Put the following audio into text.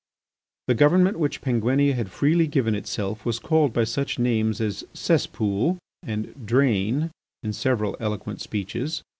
The government which Penguinia had freely given itself was called by such names as cesspool and drain in several eloquent speeches.